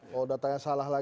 kalau datanya salah lagi